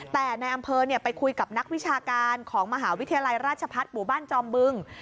แต่ในอำเภอไปคุยกับนักวิชาการของมหาวิทยาลัยราชพัฒน์หมู่บ้านจอมบึง